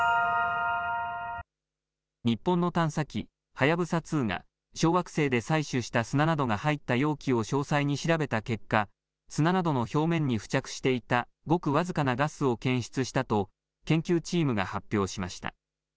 日本の探査機、はやぶさ２が小惑星で採取した砂などが入った容器を詳細に調べた結果、砂などの表面に付着していたごく僅かなガスを検出したと研究チームが発表しました。